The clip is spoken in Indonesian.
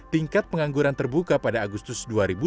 tingkat pengangguran terbuka pada agustus dua ribu dua puluh